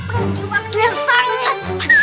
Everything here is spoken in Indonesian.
perlu di waktu yang sangat